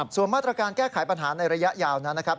ส่วนมาตรการแก้ไขปัญหาในระยะยาวนั้นนะครับ